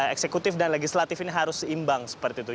eksekutif dan legislatif ini harus seimbang seperti itu